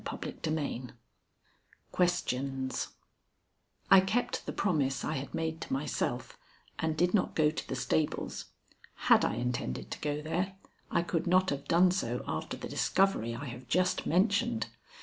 _ XX QUESTIONS I kept the promise I had made to myself and did not go to the stables. Had I intended to go there, I could not have done so after the discovery I have just mentioned.